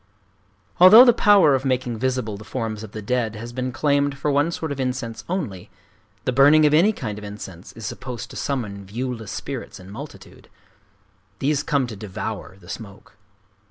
Although the power of making visible the forms of the dead has been claimed for one sort of incense only, the burning of any kind of incense is supposed to summon viewless spirits in multitude. These come to devour the smoke.